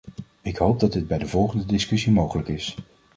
Ik hoop dat dit bij de volgende discussie mogelijk is.